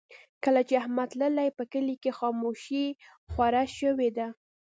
کله چې احمد تللی، په کلي کې خاموشي خوره شوې ده.